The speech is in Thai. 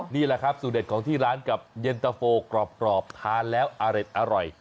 นี่แหละครับสูตเด็ดของที่ร้านกับเย็นตะโฟกรอบทานแล้วอร่อย